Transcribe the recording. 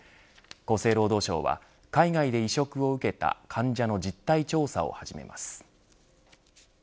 厚生労働省は海外で移植を受けた患者の実態調査を始めます。